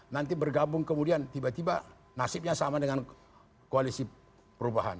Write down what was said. nanti bergabung kemudian tiba tiba nasibnya sama dengan koalisi perubahan